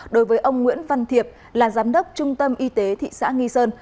đối với ông nguyễn văn thiệp là giám đốc trung tâm y tế thị xã nghi sơn